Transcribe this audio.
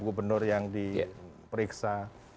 gubernur yang diperiksa